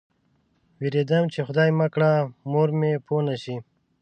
وېرېدم چې خدای مه کړه مور مې پوه نه شي.